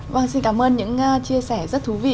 vâng xin cảm ơn những chia sẻ rất thú vị